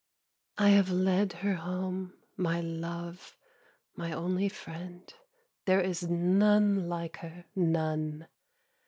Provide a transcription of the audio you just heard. I have led her home, my love, my only friend. There is none like her, none.